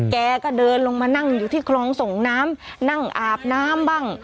แกก็เดินลงมานั่งอยู่ที่คลองส่งน้ำนั่งอาบน้ำบ้าง